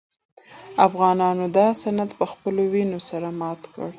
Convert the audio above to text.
افغانانو دا سند په خپلو وینو سره مات کړ.